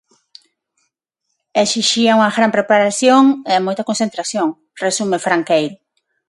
"Esixía unha gran preparación e moita concentración", resume Franqueiro.